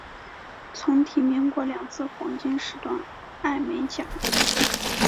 曾提名过两次黄金时段艾美奖。